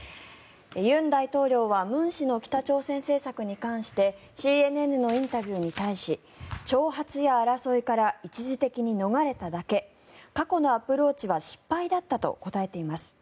尹大統領は文氏の北朝鮮政策に関してＣＮＮのインタビューに対し挑発や争いから一時的に逃れただけ過去のアプローチは失敗だったと答えています。